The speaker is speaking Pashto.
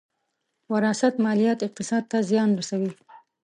وراثت ماليات اقتصاد ته زیان رسوي.